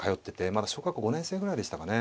まだ小学校５年生ぐらいでしたかね。